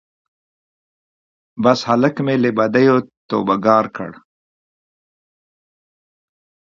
بس هلک مي له بدیو توبه ګار کړ